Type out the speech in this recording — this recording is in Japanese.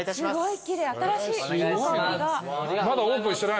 すごい！